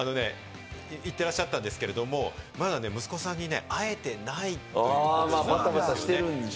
行ってらっしゃったんですけれども、まだ息子さんに会えていないということなんですね。